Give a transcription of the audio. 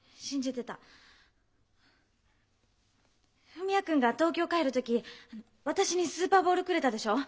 文也君が東京帰る時私にスーパーボールくれたでしょう。